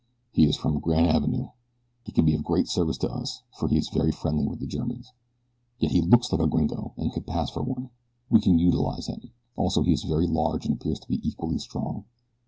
"He is from Granavenoo. He can be of great service to us, for he is very friendly with the Germans yet he looks like a gringo and could pass for one. We can utilize him. Also he is very large and appears to be equally strong.